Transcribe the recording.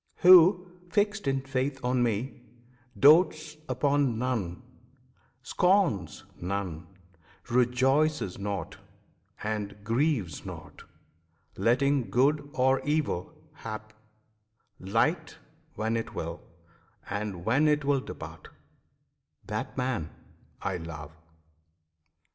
Who, fixed in faith on Me, Dotes upon none, scorns none; rejoices not, And grieves not, letting good or evil hap Light when it will, and when it will depart, That man I love!